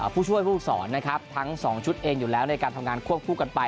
ผู้ช่วยผู้สอนทั้ง๒ชุดเองอยู่แล้วในการทำงานพ่วนควบคู่กันไป